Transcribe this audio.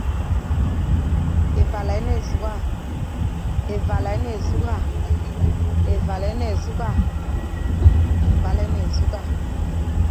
Évala é ne ésughga.